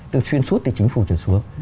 từ xuyên suốt thì chính phủ trở xuống